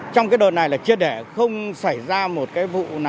trong cái đợt này là chia đẻ không xảy ra một cái vụ nào để lây nhiễm trong cộng đồng nữa